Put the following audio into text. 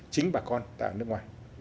chính bà con tại nước ngoài